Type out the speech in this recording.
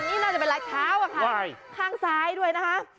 นี่น่าจะเป็นลายเท้าอะค่ะข้างซ้ายด้วยนะคะ